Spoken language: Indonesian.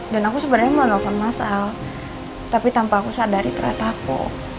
dan aku sebenarnya mau nelfon mas al tapi tanpa aku sadari ternyata aku